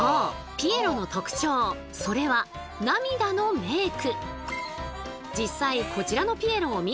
ピエロの特徴それは涙のメーク！